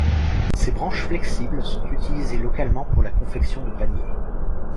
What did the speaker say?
Ses branches flexibles sont utilisées localement pour la confection de paniers.